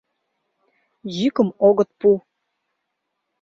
Йӱкым огыт пу.